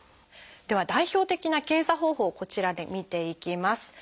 では代表的な検査方法をこちらで見ていきます。